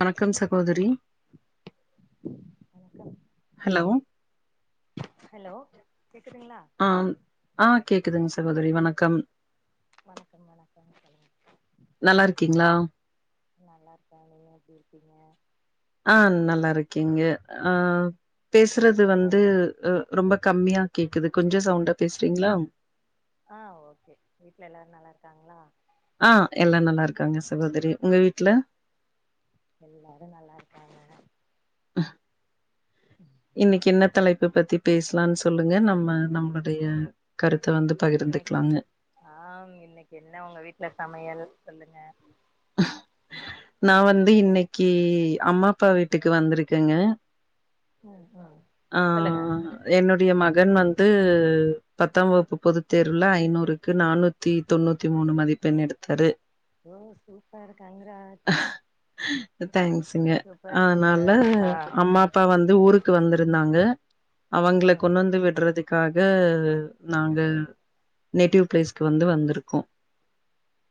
வணக்கம் சகோதரி வணக்கம் ஹலோ ஹலோ கேக்குதுங்களா ஆ ஆ கேக்குதுங்க சகோதரி வணக்கம் வணக்கம் வணக்கம் சோல்லுங்க நல்லாருக்கீங்களா நல்லா இருக்க நீங்க எப்டி இருக்கிங்க ஆ நல்லா இருக்கீங்க ஆ பேசுறது வீட்ல எல்லாரு வந்து நல் ரொம்ப கம்மியா கேக்குது கொஞ்சம் சவுண்டா பேசுறீங்களா ஆ ஓகே வீட்டு்ல எல்லாரும் நல்லா இருக்காங்களா ஆ எல்லாம் நல்லா இருக்காங்க சகோதரி உங்க வீட்டுல எல்லாரும் நல்லா இருக்காங்க இன்னைக்கு என்ன தலைப்பு பத்தி பேசலான் சொல்லுங்க நம்ம நம்மளுடைய கருத்த வந்து பகிர்ந்துக்கலாங்க ஆம் இன்னைக்கு என்ன உங்க வீட்டுல சமையல் சொல்லுங்க ஹ நான் வந்து இன்னைக்கு அம்மா அப்பா வீட்டுக்கு வந்திருக்கங்க ம் ம் சொல்லுங்க என்னுடைய மகன் வந்து பத்தாம் வகுப்பு பொதுத்தேர்வுல ஐநூறுக்கு நானூத் த்தி தொண்ணூத்தி மூணு மதிப்பெண் எடுத்தாரு ஓ சூப்பர் காங்கராஜ் தேங்க்ஸங்க சூப்பர் அதனால சூப்பர் ஆ அம்மா அப் பா வந்து ஊருக்கு வந்திருந்தாங்க அவங்கல ம் கொண்டு வந்து விடுறதுக் காக நாங்கள் நேட்டிவ் பிளேஸ்க்கு வந்து வந்திருக்கோம்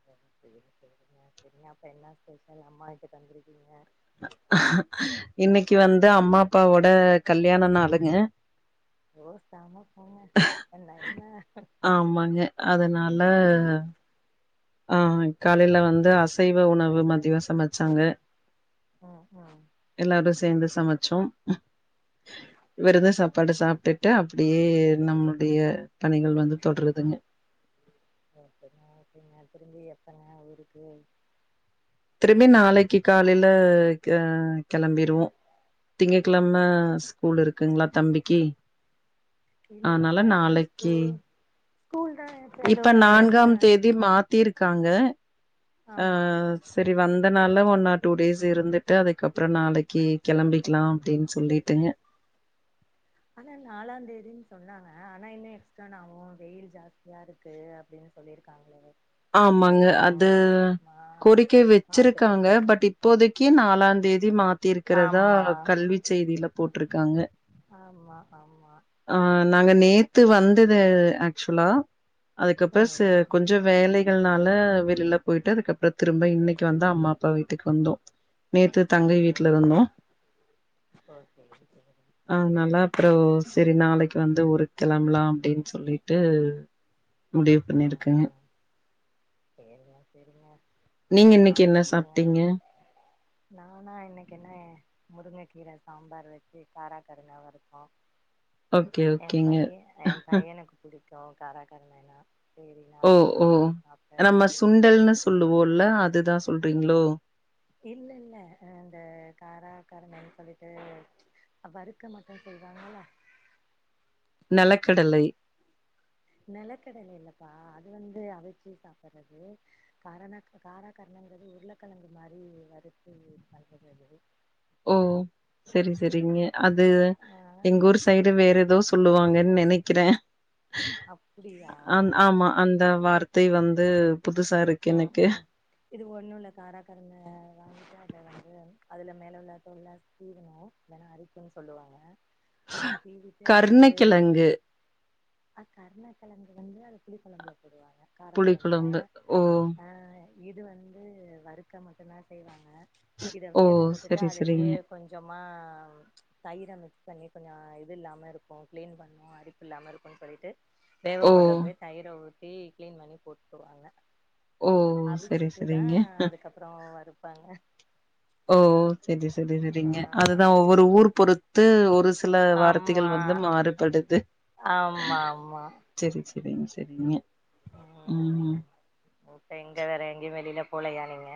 செரி செரிங்க செரிங்க செரி அப்ப என்ன ஸ்பஷல் அம்மா வீட்டுக்கு வந்துருக்கீங்க இன்னைக்கு வந்து அம்மா அப்பாவோட கல்யாணநாளுங்க ஓ சம போங்க அப்பன என்ன ஆமாங்க அதனால ஆ ஆ காலையில வந்து அசைவ உணவு மத்தியோ சமச் ச்சாங்க ம் ம் எல்லாரும் சேர்ந்து சமச்சோம் விருந்து ம் சாப்பாடு சாப்ட்டுட்டு அப்படியே நம்மளுடைய பணிகள் வந்து தொடருதுங்க ஓகேங்க ஓகேங்க திரும்பி எப்பங்க ஊருக்கு திரும்பி நாளைக்கு காலையில கஹ கிளம்பிருவோம் திங்க கிழம ஸ்கூல் இருக்குங்களா தம்பிக்கு இல்ல அதனால ஏத நாளைக்கு ஸ்கூல் கூல் தான இப்ப நான்காம் தேதி மாத்திருக்காங்க ஆ ஆமா செரி வந்தனாள ஒன் ஆர் டூ டேஸ் இருந்துட்டு அதுக்கப்புரோ நாளைக்கு கிளம்பிக்கலாம் அப்படின்னு சொல்லிட்டுங்க ஆனா நாலாந் தேதினு சொன்னாங்க ஆனா இன்னும் எக்ஸ்ட்னாவும் வெயில் ஜாஸ்தியா இருக்கு அப்படின்னு சொல்லிருக்காங்கள ஆமாங்க அது கோரிக்கை பாத்துட்டு வச்சிருக்காங்க பட் இப்போதைக்கி நாலாந் தேதி மா த்தி இருக்கறதா ஆமா கல்வி செய்தில போட்டுருக்காங்க ஆமா ஆமா ஆ நாங்க நேத்து வந்தது ஆக்சுவலா அதுக்கப்பறோ ம் செ ம் கொஞ் ஞ்சோ வேலைகள்னால வெளில போயிட்டு அதுக்கப்பறோ திரும்ப இன்னைக் கு வந்து அம்மா அப்பா வீட்டுக்கு வந்தோ நேத்து தங்கை ஓ வீட்ல இருந்தோ ஓ சேரி சேரி ஆனாலா அப்புறோ சரி நாளைக்கு வந்து ஊருக் கெளம்பலா அப்டின் சொல்லிட்டு முடிவு ம் பண்ணிருக்கங்க ம் சேரிங்க செரிங்க நீங்க இன்னைக்கு என்ன சாப்ட்டீங்க நானா இன்னைக்கு என்ன முருங்க கீர சாம்பார் வச்சு காரா கருண வறுத்தோ ஓகே, எ ஓகேங்க. பைய எ பையனுக்கு புடிக்கு கு காரா கருணைனா செரினு அதயே செஞ்சு சாப்டாச்சு ண்டல்னு ஸ் சொல்லுவோல அதுதா சொல்றீங்களோ இல்லல்ல அ இந்த காரா கருணனு சொல்லிட்டு அ வறுக்க மட்டு செய்வாங்கள நெலக்கடலை நெலக்கடல இல்லப்பா அது வந்து அவிச்சி சாப்புடுறது காரண காராக்கருணங்கிறது உருளக்கெழங்கு மாரி வறுத்து பண்றது அது ஓ செரி செரிங்க அது ஆ எங்க ஊர் சைடு வேற எதோ சொல்லுவாங்கன் நெனைக்கிறே அப்டியா அந் ஆமா அந்த வார்த்தை வந்து புதுசாரு ம் ம் இது ஒன்னு இல்ல காரா கருண வாங்கிட்டு அத வந்து அதுல மேலே உள்ள தோல்லா சீ சீவணு இல்லனா அரிக்குன் சொல்லுவாங்க அத சீவிட்டு அத வந்து கருணக்கிழங்கு அ கர்ண கெழங்கு வந்து அது புளிக்கொழம்புல போடுவாங்க புளி காரக்கொழம்புல கொழம்பு ஓ ஆ இது வந்து வறுக்க மட்டுந்தா செய்வாங்க இத ஓ வேக போட்டுட்டு சரி அதுலேயே சரிங்க கொஞ் சமா தயிர மிக்ஸ் பண்ணி கொஞ்சொ இது இல்லாம இருக்கு கிளீன் பண்ணு அரி ப்புல்லாம இருக்குன்னு சொல்லிட்டு ஓ தேவப்படுறப்பய தயிர ஊத்தி கிளீன் பண்ணி போட்டுவாங்க ஓ சரி அவிச்சுட்டுதா சரிங்க அதுக்கப்பறோ வறுப்பாங்க ஓ செரி செரி ஆமா செரிங்க அதுதா ஒவ்வொரு ஊர் பொறுத்து ஒரு சில வார்த்தைகள் ஆமா வந்து மாறுபடுது ஆமா செரி செரிங் செரிங்க ம் ஓகே எங்க வேற எங்கேயு வெளில போலையா நீங்க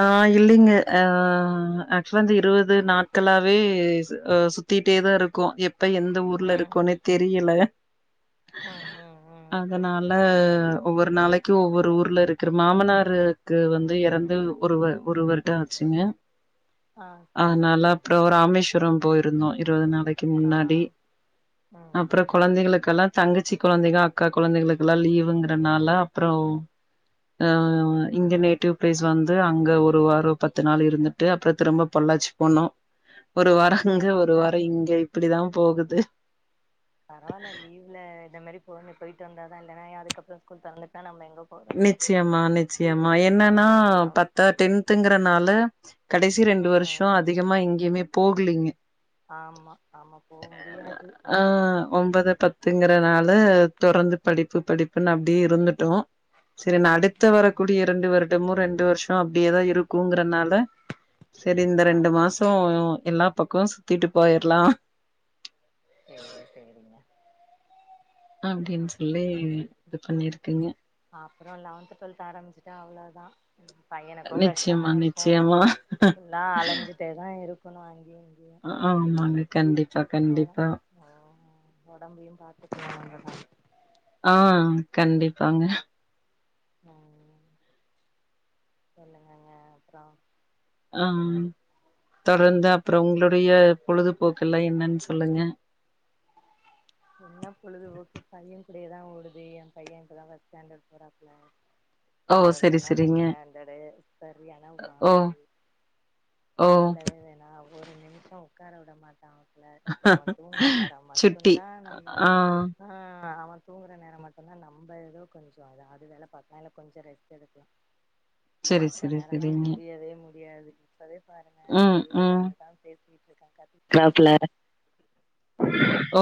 ஆ இல்லைங்க அ ஆக்சுவலா வந்து இருவது நாட்களாவே அ சு த்திட்டேதா இருக்கோ எப்ப எந்த ஊர்ல ம் இருக்கோன்னே தெரியல ம் ம் ம் அதனால ஒவ்வொரு நாளைக்கு ஒவ்வொரு ஊர்ல இருக்கு மாமனாருக்கு வந்து எறந்து ஒரு வ ஒரு வருட ஆச்சுங்க ஆ சேரி அதனால அப்புற சேரி ராமேஷ் வரம் போயிருந்தோ இருவது நாளைக்கு ஆ முன்னாடி ம் அப்புற ம் கொழந்தைகளுக்கெல்லா தங்கச்சி கொழந்தைக அக்கா கொழந்தைகளுக்கெல்லா லீவுங்கறனால அப்புற ஆ இங்க ம் நேட்டிவ் பிளேஸ் வந்து அங்க ஒரு வார பத்து நாள் இருந்துட்டு அப்புற திரும்ப பொள்ளாச்சு போனோ ஒரு வார அங்க ஒரு பரவால்ல வார இங்க இப்டிதா போகுது பரவால்ல லீவுல இந்த மாரி போணு போயிட்டு வந்தாதா இல்லன்னா அதுக்கப்புற ஸ்கூல் தொறந்துட்டா நம்ம எங்க போறது நிச்சயமா நிச்சயமா என்னன்னா ஆ பத்தா டென்த்துங்கறனால கடைசி ரெண்டு வருஷ ம் அதிகமா எங்கேயுமே போகலீங்க ஆமா ஆமா போ முடியாது ஆனா ஆ ஒம்போது பத் துங்கறனால தொடர்ந்து படிப்பு படிப்புன்னு அப்டியே இருந்துட்டோ செரி ம் அடுத்து ம் வரக்கூடிய இரண்டு வருடமு ரெண்டு வருஷ அப்டியேதா இருக்குங்கறனால செரி இந்த ரெண்டு ஆமா மாச எல்லா பக்கமு சுத்திட்டு போயிர்லா செரி செரிங்க அப்டின்னு சொல்லி இது பண்ணிருக்குங்க அப்புற லெவன்த் டுவெல்த் ஆரம்பிச்சிட்டா அவ்வளோதா பையனுக்கு நிச்சயமா கஷ்டமா இருக்கு நிச்சயமா. ஃபுல்லா அலஞ்சுட் ட்டே தா இருக்கணு அங்கியு இங்கியு ஆமாங்க கண்டிப்பா கண்டிப்பா ஆ ஒடம்பையு பாத்துக்கணு நம்பதா ஆ கண்டிப்பாங்க ம் சொல்லுங்கங்க அப்ற ஆ தொடர்ந்து அப்ற உங்களுடைய பொழுதுபோக்கு எல்லா என்னன்னு சொல்லுங்க என்ன பொழுதுபோக்கு பைய கூடையேதா ஓடுது ஏ பைய இப்பதா ஃபஸ்ட் ஸ்டாண்டர்ட் போறாப்புல ஓ இந்த செரி வருஷந்தா ஃபஸ்ட் செரிங்க ஸ்டாண்டர்டு சரியான ஓ வாலு ஓ சொல்லவே வேணா ஒரு நிமிஷ உக்கார விட மாட்டா இல்ல இப்ப அவ தூங்குற நேரம் சுட்டி மட்டுந்தா நம்ம ஆ ஆ அவ தூங்குற நேர மட்டுந்தா நம்ப ஏதோ கொஞ்ச அதா அது வேல பாக்கலா இல்ல கொஞ்ச ரெஸ்ட் எடுக்கலா பிளாக் செரி மத்த செரி நேரல்லா செரிங்க முடியவே முடியாது இப்பவே பாருங்க ம் கொள்ளையில ம் வந்துதா பேச வீட்டுக்காரர் கத்றாப்ல ஓ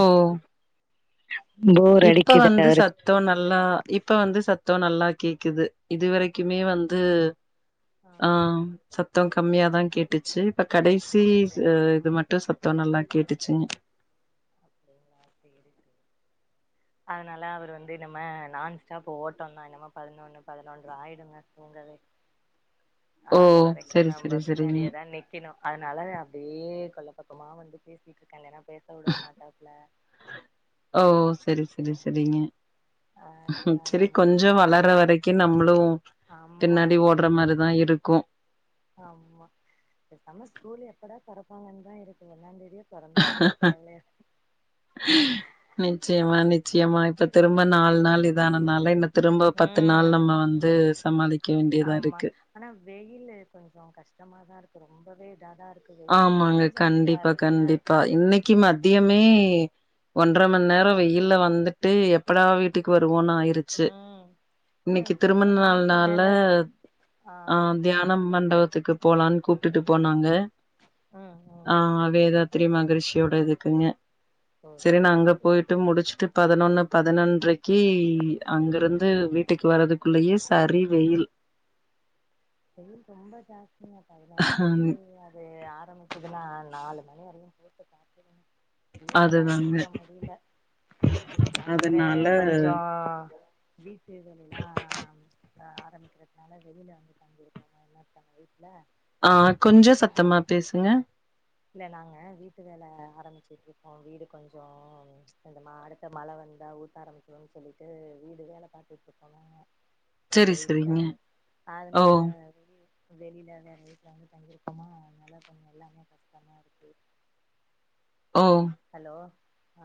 போர் இப்ப அடிக்குது வந்து அவருக்கு சத்த நல்லா இப்ப வந்து சத்த நல்லா கேக்குது இப்ப இதுவரைக்குமே வந்து ஆ சத்த கம்மியாதா கேட்டுச்சு இப்ப கடைசி அப்படியா ஆ இது மட்டு சத்த நல்லா கேட்டுச்சுங்க அப்டியே நா தேடுட்டு அதனால அவர் வந்து நம்ம நாண் ஸ்டாப் ஓட்டம் தா இன்னிமே பதினொன்னு பதினொன்ற ஆயிடுங்க தூங்கவே ஓ அது வரைக்கு செரி நம்ப செரி செரிங்க பின்னாடியே தா நிக் கிணு அதனால அப்டியே கொல்ல பக்கமா வந்து பேசிட்டு இருக்க இந்நேர பேச விட மாட்டாப்ல ஓ சரி சரி சரிங்க சரி அதனாலங்க கொஞ்ச வளர வரைக் கி நம்மளு ஆமா பின்னாடி ஓட்ற மாரிதா இருக்கு ஆமா பேசாம ஸ்கூல் எப்படா தொறப்பாங்கன்னு தா இருக்கு ஒன்னாந்தேதியோ தொறந்தா கூட தேவலையா நிச்சயமா நிச்சயமா இப்ப திரும்ப நாலு நாள் இதானலால இந்த திரும்ப பத்து நாள் ம் நம்ம வந்து சமாளிக்க வேண்டியதா ஆமா இருக்கு ஆனா வெயிலு கொஞ்சோ கஷ்டமாதா இருக்கு ரொம்பவே இதா தா இருக் ஆமாங்க கண்டிப்பா கண்டிப்பா இன்னைக்கு மதியமே ஒன்றரம நேரம் வெயில் வந்துட்டு எப்படா வீட்டுக்கு வருவோன் ஆயிரு ச்சி. ம் இல்ல இன்னைக்கி திருமண பதினோரு மணிக்கு நாள்னால மேல ஆ தியானம் மண்டபத்துக்கு போலான் கூப்ட்டு போனாங்க ஆ ஆ வேதாத்திரி மகிரிஷியோட இருதுக்குங்க ஓ சரி நா சேரி அங்க சேரிங்க போயிட்டு முடிச்ட்டு பதினொன்னு பதினொன்றைக்கி அங்கருந்து வீட்டுக்கு வர்துக்குள்ளயே சரி வெயில் வெயில் ரொம்ப ஜாஸ்தி பதினோர் மணிக்கிலா அது ஆரம்பிச்சதுன்னா நாலு மணி வரையும் போட்டு தாக் வீட்டுலதான் அதுதாங்க இருக்க முடியல நாங்க வேற அதனால கொஞ்சோ வீட்ல வேல எல்லாம் ஆ ஆரம்பிக்கிறதுனால வெயில தங்கியிருக்கோம் வெயில தங்கியிருக்கோம்ல ஆ கொஞ்சோம் சத்தமா பேசுங்க இல்ல நாங்க வீட்டு வேல ஆரம்பிச்ட்டு இருக்கோம் வீடு கொஞ்சோ இங்க மா அடுத்த மழ வந்தா ஊத்த ஆரம்பிச்சிரும் சொல்லிட்டு வீடு வேல பாத்துட்டு இருக்கோங்க எங்க சரி வீட்ல சரிங்க ஓ அதனால வெயில் வெளில வேற வீட்ல வந்து தங்கிருக்கோமா அதனால கொஞ்சோ எல்லாமே கஷ்டமா இருக்கு ஓ ஹலோ ஆ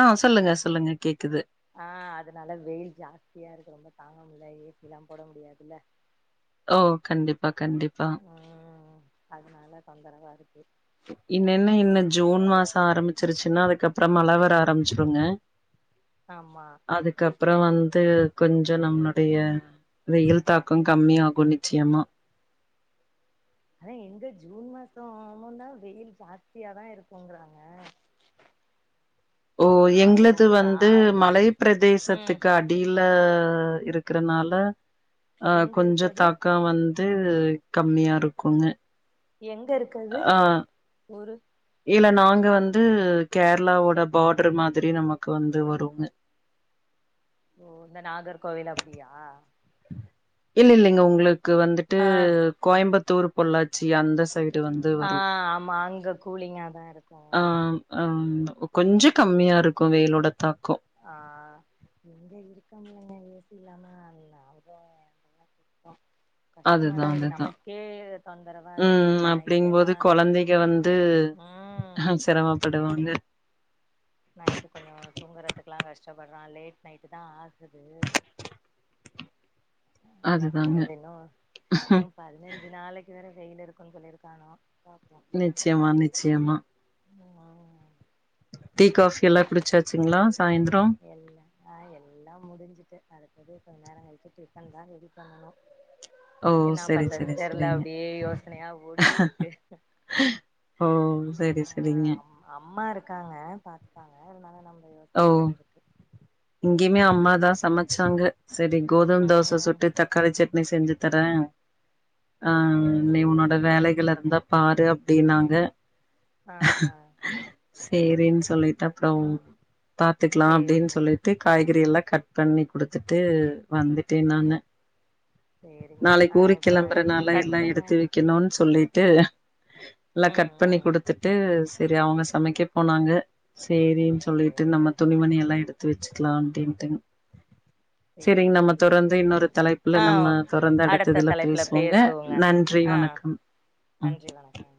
ஆ சொல்லுங்க சொல்லுங்க கேக்குது ஆ அதனால வெயில் ஜாஸ்தியா இருக்கு ரொம்ப தாங்குமுல்ல ஏசிலாம் போட முடியாதுல்ல ஓ கண்டிப்பா கண்டிப்பா ம் அதனால தொந்தரவா இருக்கு இன்னன்ன இன்ன ஜூன் மாசோ ஆரம்பிச்சிருச்சுன்னா அதுக்கப்றோ மழ வர ஆரம்பிச்சிருங்க ஆமா அதுக்கப்புறம் வந்து கொஞ்ச நம்ளுடைய வெயில் தாக்கம் கம்மியாகும் நிச்சியமா ஆனா எங்க ஜூன் மாசம் ஆனம்தா வெயில் ஜாஸ்தியாதா இருக்குங்கறாங்க ஓ ஆக எங்களது உங்களுக்கு வந்து ஆ மலை ம் பிரதேசத்துக்கு அ அடில இருக்கறனால அ எங்க இருக்கு கொஞ்ச அது தாக்கம் வந் து கம்மியா இருக்குங்க எங்க இருக்கது ஆ ஊரு இல்ல நாங்க வந்து கேரளாவோட பார்டர் மாதிரி நமக்கு வந்து வரும் ஓ இந்த நாகர்கோவில் அப்டியா இல்ல இல்லைங்க உங்களுக்கு வந்துட்டு ஆ கோயம்புத்தூர் பொள்ளாச்சி அந்த சை ஆ ஆமா அங்க கூலிங்காதா இருக்கும் ஆம்மா கொஞ்சோம் கம்மியா இருக்கும் வெயிலோட தாக்கம் ஆஹ் எங்க இருக்கமுலங்க ஏசில்லாம நாங்க ஆ அதுதா கஷ்டமாதான் இருக்கு அதுதா நமக்கே தொந்தரவா இருக்கு ம் நைட்ல அப்டிங்கும்போது எல்லாம் கொழந்தைக ஆ படுவாங்க நைட்டு் கொஞ்சோ தூங்குறதுக்குலா கஷ்டப்படுறா லேட் நைட்டு தா ஆகுது என்ன பண்றது அதுதாங்க இன்னு‌ லவ்‌ பதினஞ்சு நாளைக்கு வேற வெயில் இருக்குன்னு சொல்லிருக்கானா பாப்பு நிச்சியமா நிச்சியமா உமாமா டீ காஃபி எல்லா குடிச்சாச்சுங்களா சாய்ந்த்ரோ எல்லா ஆ எல்லா முடிஞ்சிட்டு அடுத்தது கொஞ்ச நேரோ கழிச்சி டிஃபன் தா ரெடி பண்ணணு ஓ [inaudible] என்ன செரி பண்றனு செரி தெர்ல செரிங்க அப்டியே யோசனையா ஓடிட்டுருக்கு ஓ செரி செரிங்க அம்மா இருக்காங்க பாத்துப்பாங்க இருந்தாலு நம்ப யோசனையாவே இருக் இங்கயுமே அம்மாதா சமச்சாங்க செரி கோதும் தோச ம் சுட் டு தக்காளி சட்னி செஞ்சு தரே ஆ ஓகே நீ ஓகே உன்னோட வேலைகள் இருந்தா பாரு அப்டின்னாங்க ஆ ஆ சேரின் சொல்லிட்டப்றோ பாத்துக்கலா அப்டின் சேரிங்க சொல்லிட் டு காய்கறி எல்லா கட் பண்ணி குடுத்துட்டு வந்துட்டே நானு சேரிங்க நாளைக் ஆ ஊருக்கு இப்ப கெளம்புறனால கட் எல்லா பண்ணு எடுத்து வைக் கணுன் சொல்லிட்டு எல்லா ம் கட் பண்ணி ம் குடுத்துட் டு செரி அவங்க சமைக்க போனாங்க சேரின் சேரிங்க ணுமணியெல்லா எடுத்து வச்சுக்கலா அப்டின்ட்டுங் செரிங் சேரிங்க நம்ம தொடர்ந்து சேரிங்க இன்னொரு தலைப்புல ஆ நம்ம தொடர்ந்து அடுத்த அடுத்ததுல தலைப்புல பேசுவோங்க நன்றி ஆ வணக் ம் நன்றி வணக்கம்